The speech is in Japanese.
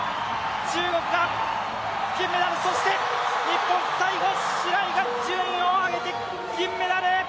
中国が金メダル、日本、最後白井が順位を上げて銀メダル！